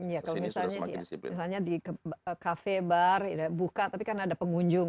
iya kalau misalnya di cafe bar buka tapi kan ada pengunjung